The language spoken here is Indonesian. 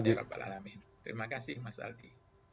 amin amin amin terima kasih mas algi